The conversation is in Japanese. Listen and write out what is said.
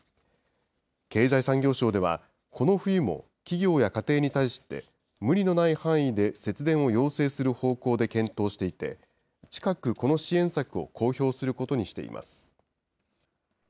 経済産業省では、この冬も企業や家庭に対して無理のない範囲で節電を要請する方向で検討していて、近くこの支援策を公表することにしています。